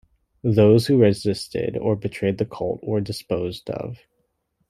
Those who resisted or betrayed the cult were disposed of.